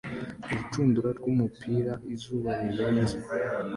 Urushundura rw'umupira izuba rirenze